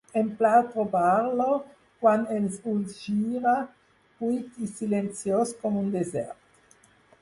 Em plau trobar-lo, quan els ulls gire, buit i silenciós com un desert.